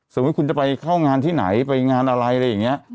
สมมุติคุณจะไปเข้างานที่ไหนไปงานอะไรอะไรอย่างนี้